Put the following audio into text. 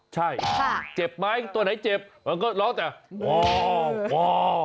ใช่จับไหมตัวไหนจับมันก็ร้องแต่โอ้โหโอ้โห